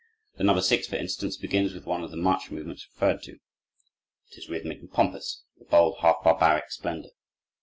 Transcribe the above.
The No. 6, for instance, begins with one of the march movements referred to. It is rhythmic and pompous, with a bold, half barbaric splendor.